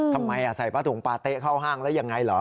ทำไมใส่ป้าถุงปาเต๊ะเข้าห้างแล้วยังไงเหรอ